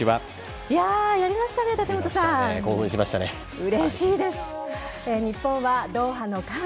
やりましたね、立本さん。